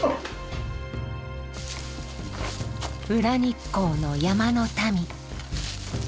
裏日光の山の民。